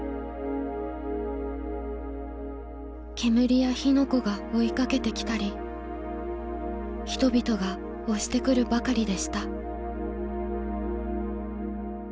「煙や火の子がおひかけて来たり人々がおして来るばかりでした」。